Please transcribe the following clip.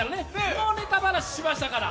もうネタバラシしましたからね。